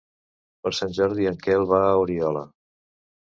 Per Sant Jordi en Quel va a Oriola.